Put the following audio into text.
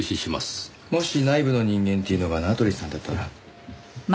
もし内部の人間っていうのが名取さんだったら？